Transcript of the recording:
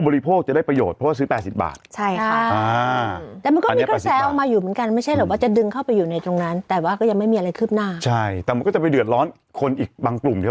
เลขดังค่ะดังอย่างเงี้ยครับพี่หนูก็เห็นมี๘มี๙เหมือนกันหมด